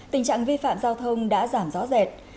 tình trạng vi phạm giao thông đã giảm rõ rệt